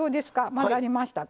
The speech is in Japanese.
混ざりましたか。